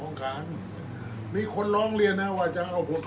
อันไหนที่มันไม่จริงแล้วอาจารย์อยากพูด